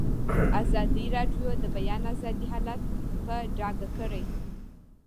ازادي راډیو د د بیان آزادي حالت په ډاګه کړی.